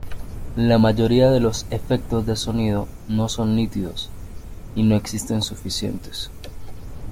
La mayoría de los efectos de sonido no son nítidos y no existen suficientes.